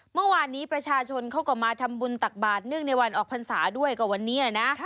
เมื่อวานนี้ประชาชนเข้ากลับมาทำบุญตักบาทเนื่องในวันออกภัณฑ์ศาสตร์ด้วยกว่าวันนี้นะ